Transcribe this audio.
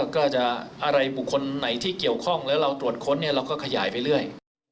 ก็จะอะไรบุคคลไหนที่เกี่ยวข้องแล้วเราตรวจค้นเราก็ขยายไปเรื่อย